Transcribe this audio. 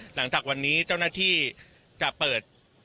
หลังจากวันนี้เจ้าหน้าที่จะเปิด